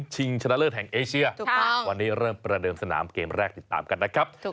ใช้ไหวพลิบในการต่อสู้